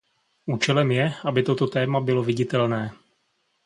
Účelem je, aby toto téma bylo viditelné.